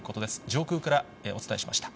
上空からお伝えしました。